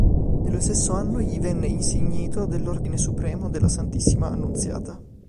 Nello stesso anno gli venne insignito dell'Ordine Supremo della Santissima Annunziata.